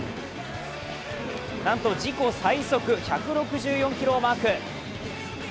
なんと自己最速１６４キロをマーク。